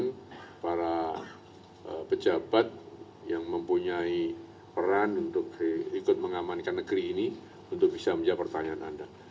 dan para pejabat yang mempunyai peran untuk ikut mengamankan negeri ini untuk bisa menjawab pertanyaan anda